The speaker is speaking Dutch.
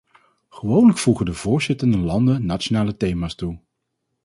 Gewoonlijk voegen de voorzittende landen nationale thema's toe.